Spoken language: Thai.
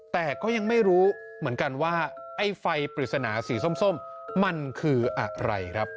แต่ก็ยังไม่รู้เหมือนกันว่าไอ้ไฟปริศนาสีส้มมันคืออะไรครับ